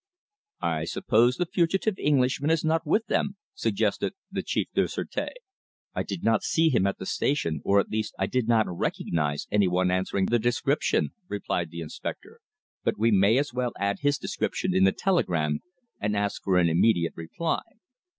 "I suppose the fugitive Englishman is not with them?" suggested the Chef du Sureté. "I did not see him at the station or, at least, I did not recognise anyone answering to the description," replied the inspector; "but we may as well add his description in the telegram and ask for an immediate reply."